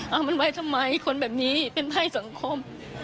เอามันไว้ทำไมคนแบบนี้เป็นไพ่สังคม